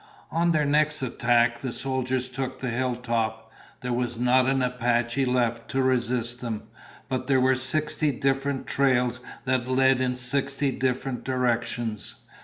On their next attack, the soldiers took the hilltop. There was not an Apache left to resist them, but there were sixty different trails that led in sixty different directions.